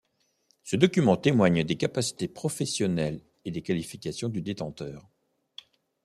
Ce document témoigne des capacités professionnelles et des qualifications du détenteur.